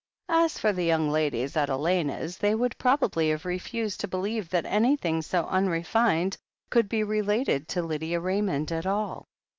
As for the young ladies at Elena's, they would prob ably have refused to believe that anything so unre fined could be related to Lydia Raymond at all.